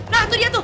nah itu dia